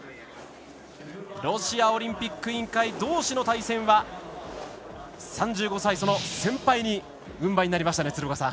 ロシアオリンピック委員会どうしの対戦は３５歳先輩に軍配が上がりましたね。